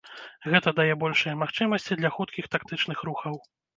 Гэта дае большыя магчымасці для хуткіх тактычных рухаў.